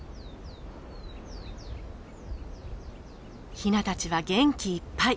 ヒナたちは元気いっぱい。